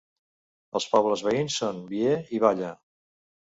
Els pobles veïns són Bie i Valla.